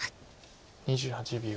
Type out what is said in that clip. ２８秒。